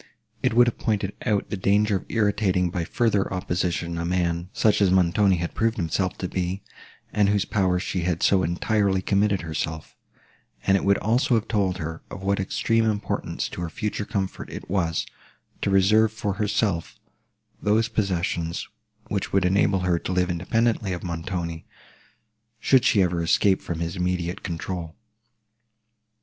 It would have pointed out the danger of irritating by further opposition a man, such as Montoni had proved himself to be, and to whose power she had so entirely committed herself; and it would also have told her, of what extreme importance to her future comfort it was, to reserve for herself those possessions, which would enable her to live independently of Montoni, should she ever escape from his immediate control.